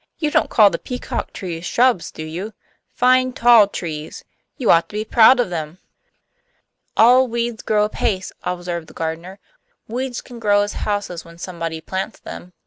"You don't call the peacock trees shrubs, do you? Fine tall trees you ought to be proud of them." "Ill weeds grow apace," observed the gardener. "Weeds can grow as houses when somebody plants them."